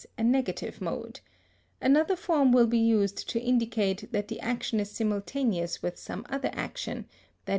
_, a negative mode; another form will be used to indicate that the action is simultaneous with some other action, _i.